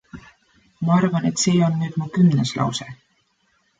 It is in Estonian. Ma arvan et see on nüüd mu kümnes lause.